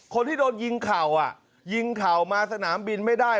คนที่โดนยิงเข่าอ่ะยิงเข่ามาสนามบินไม่ได้